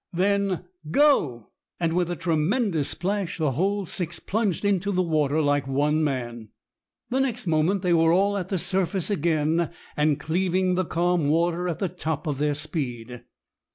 "Then go." And with a tremendous splash the whole six plunged into the water like one man. The next moment they were all at the surface again, and cleaving the calm water at the top of their speed.